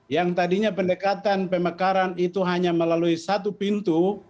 yang tadinya pendekatan pemekaran itu hanya melalui satu pintu